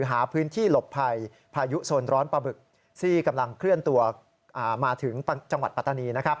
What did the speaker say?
หลังเคลื่อนตัวมาถึงจังหวัดปัตตานี